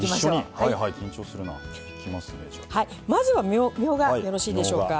まずはみょうがよろしいでしょうか？